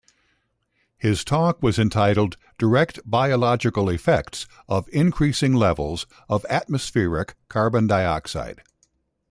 His talk was entitled Direct Biological Effects of Increasing Levels of Atmospheric Carbon Dioxide.